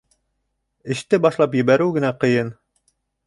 Эште башлап ебәреү генә ҡыйын.